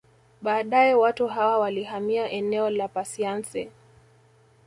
Baadae watu hawa walihamia eneo la Pasiansi